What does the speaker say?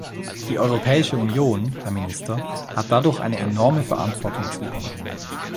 Die Europäische Union, Herr Minister, hat dadurch eine enorme Verantwortung zu übernehmen.